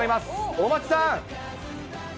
大町さん。